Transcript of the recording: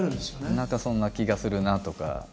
何かそんな気がするなあとか。